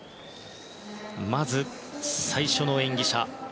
まず、最初の演技者